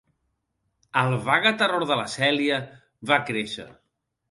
El vague terror de la Cèlia va créixer.